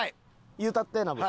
言うたってノブ。